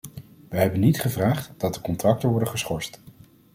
Wij hebben niet gevraagd dat de contracten worden geschorst.